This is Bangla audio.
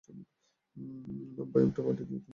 বয়ামটা মাটি দিয়ে তুমি ভরেছ।